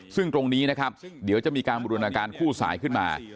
ซึ่งตรงนี้นะครับเดี๋ยวจะมีการบูรณาการคู่สายขึ้นมา